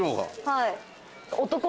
はい。